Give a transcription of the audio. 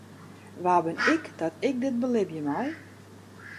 Wa bin ik dat ik dit belibje mei?